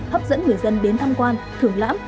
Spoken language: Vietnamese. hấp dẫn người dân đến thăm quan thưởng lãm